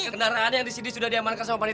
kenaraan yang disini sudah diamankan sama panitia